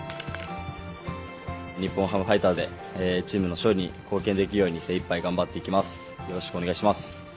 日本ハムファイターズで、チームの勝利に貢献できるように、精いっぱい頑張っていきます。